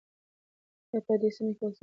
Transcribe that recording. ایا په دې سیمه کې د واکسین کمپاین شته؟